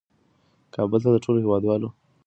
کابل تل د ټول هېواد استازیتوب ونه کړ.